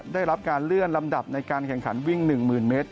ได้รับการเลื่อนลำดับในการแข่งขันวิ่ง๑๐๐๐เมตร